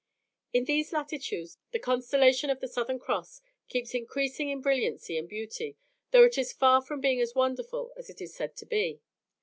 In these latitudes the constellation of the southern cross keeps increasing in brilliancy and beauty, though it is far from being as wonderful as it is said to be.